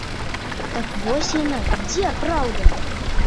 Так вось яна, дзе праўда?